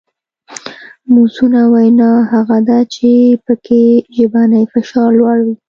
موزونه وینا هغه ده چې پکې ژبنی فشار لوړ وي